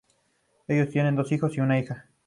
Ellos tienen dos hijos y a una hija.